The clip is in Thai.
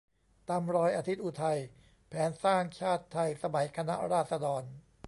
ตามรอยอาทิตย์อุทัย : แผนสร้างชาติไทยสมัยคณะราษฎร